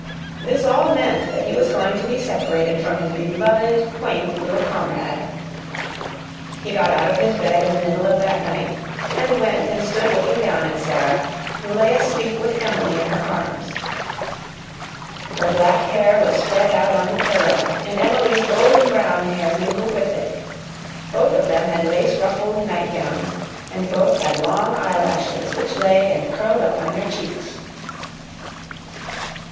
This all meant that he was going to be separated from his beloved, quaint little comrade. He got out of his bed in the middle of that night and went and stood looking down at Sara, who lay asleep with Emily in her arms. Her black hair was spread out on the pillow and Emily's golden brown hair mingled with it, both of them had lace ruffled nightgowns, and both had long eyelashes which lay and curled up on their cheeks.